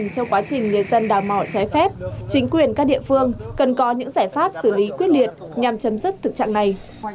trong quá trình người dân đào mỏ trái phép chính quyền các địa phương cần có những giải pháp xử lý quyết liệt nhằm chấm dứt thực trạng này